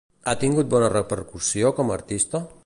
Ha tingut bona repercussió com a artista?